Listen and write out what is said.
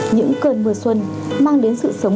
những cơn mưa xuân mang đến sự sống